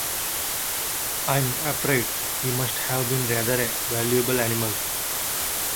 I'm afraid he must have been rather a valuable animal.